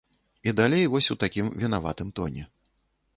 І далей вось у такім вінаватым тоне.